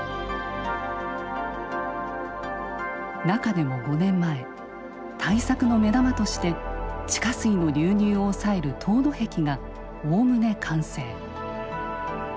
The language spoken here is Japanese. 中でも５年前対策の目玉として地下水の流入を抑える凍土壁がおおむね完成。